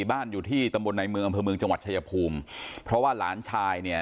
บ้านอยู่ที่ตำบลในเมืองอำเภอเมืองจังหวัดชายภูมิเพราะว่าหลานชายเนี่ย